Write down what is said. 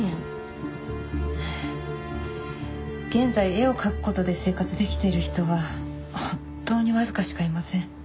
現在絵を描く事で生活できている人は本当にわずかしかいません。